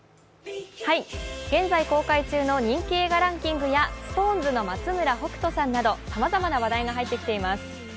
現在公開中の人気映画ランキングやＳｉｘＴＯＮＥＳの松村北斗さんなどさまざまな話題が入ってきています。